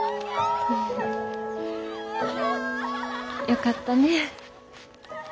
よかったねえ。